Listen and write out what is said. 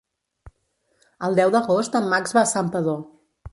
El deu d'agost en Max va a Santpedor.